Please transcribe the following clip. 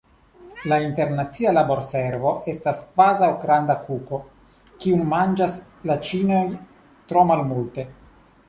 La internacia laborservo estas kvazaŭ granda kuko, kiun manĝas la ĉinoj tro malmulte.